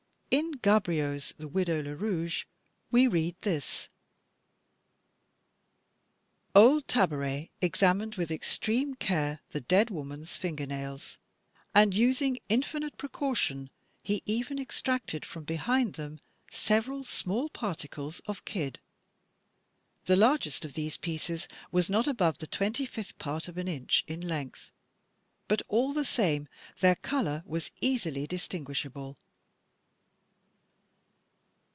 In Gaboriau's "The Widow Lerouge," we read this: Old Tabaret examined with extreme care the dead woman's finger nails; and, using infinite precaution, he even extracted from behind them several small particles of kid. The largest of these pieces was not above the twenty fifth part of an inch in length; but all the same their color was easily distinguishable.